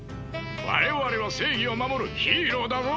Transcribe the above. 我々は正義を守るヒーローだぞ！